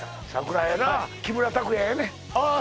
やな木村拓哉やねああ